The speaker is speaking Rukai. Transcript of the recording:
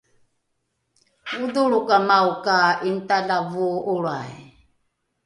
odholrokamao ka ’initalavoo’olrai